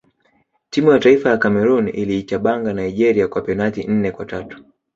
timu ya taifa ya cameroon iliichabanga nigeria kwa penati nne kwa tatu